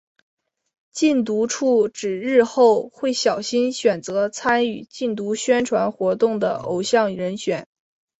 禁毒处指日后会小心选择参与禁毒宣传活动的偶像人选。